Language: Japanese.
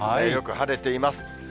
よく晴れています。